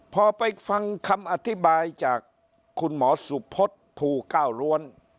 พอไปฟังคำอธิบายจากคุณหมอสุพศภูเก้าล้วน